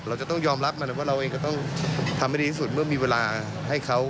เราจะต้องยอมรับมันว่าเราเองก็ต้องทำให้ดีที่สุดเมื่อมีเวลาให้เขา